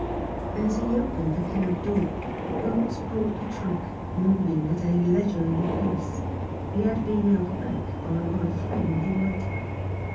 As he opened the cab door, Boots brought the trunk, moving at a leisurely pace. He had been held back by my friend the waiter.